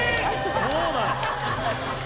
そうなん？